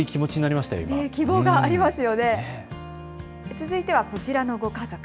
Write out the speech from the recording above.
続いてはこちらのご家族。